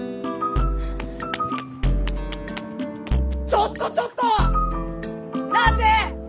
ちょっとちょっと！何で！